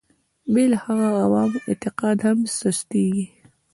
بې له هغه د عوامو اعتقاد هم سستېږي.